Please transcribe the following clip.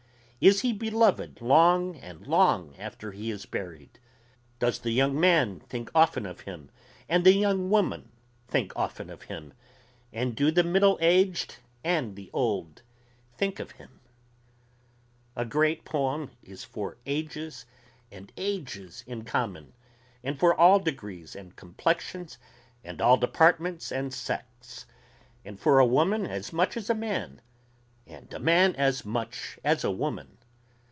Is he beloved long and long after he is buried? Does the young man think often of him? and the young woman think often of him? and do the middle aged and the old think of him? A great poem is for ages and ages in common, and for all degrees and complexions, and all departments and sects, and for a woman as much as a man and a man as much as a woman.